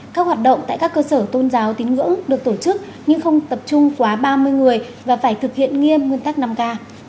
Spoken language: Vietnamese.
các hoạt động tại các cơ sở tôn giáo tín ngưỡng được tổ chức nhưng không tập trung quá ba mươi người và phải thực hiện nghiêm nguyên tắc năm k